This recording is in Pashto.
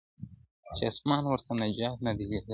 • چي اسمان ورته نجات نه دی لیکلی -